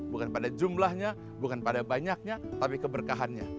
bukan pada jumlahnya bukan pada banyaknya tapi keberkahannya